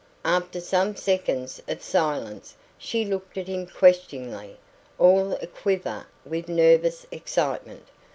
After some seconds of silence, she looked at him questioningly, all a quiver with nervous excitement.